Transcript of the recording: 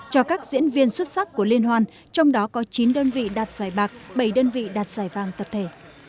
cho các diễn viên xuất sắc của liên hoan trong đó có chín đơn vị đạt giải bạc bảy đơn vị đạt giải vàng tập thể